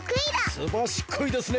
すばしっこいですね。